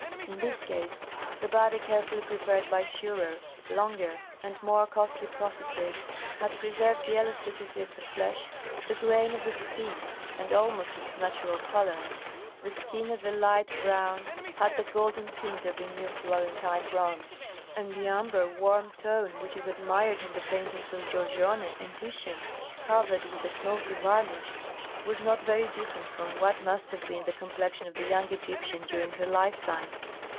In this case, the body, carefully prepared by surer, longer, and more costly processes, had preserved the elasticity of the flesh, the grain of the skin, and almost its natural colour. The skin, of a light brown, had the golden tint of a new Florentine bronze, and the amber, warm tone which is admired in the paintings of Giorgione and Titian covered with a smoky varnish, was not very different from what must have been the complexion of the young Egyptian during her lifetime.